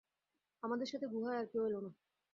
আমাদের সাথে গুহায় আর কেউ এলো না।